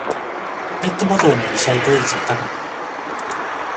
ペットボトルのリサイクル率は高い